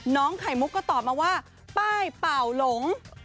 ไข่มุกก็ตอบมาว่าป้ายเป่าหลง